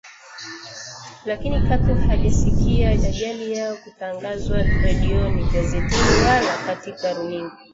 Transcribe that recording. Lakini katu hajasikia ajali yao kutangazwa redioni, gazetini wala katika runinga!